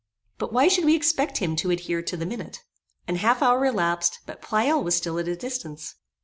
But why should we expect him to adhere to the minute? An half hour elapsed, but Pleyel was still at a distance.